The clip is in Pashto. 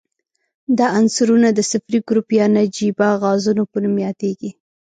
دا عنصرونه د صفري ګروپ یا نجیبه غازونو په نوم یادیږي.